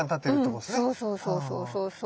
うんそうそうそうそうそうそう。